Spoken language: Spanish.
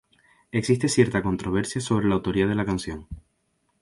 Existe cierta controversia sobre la autoría de la canción.